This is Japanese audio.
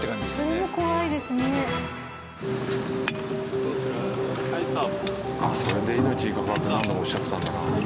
それで「命に関わる」って何度もおっしゃってたんだな。